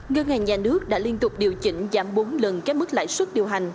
ngân hàng nhà nước đã liên tục điều chỉnh giảm bốn lần cái mức lãi xuất điều hành